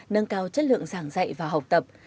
nâng cao chất lượng giảng dạy và học tập